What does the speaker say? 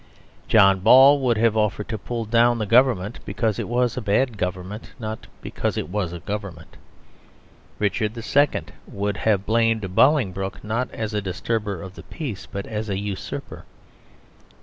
John Ball would have offered to pull down the government because it was a bad government, not because it was a government. Richard II. would have blamed Bolingbroke not as a disturber of the peace, but as a usurper.